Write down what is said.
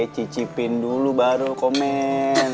cicipin dulu baru komen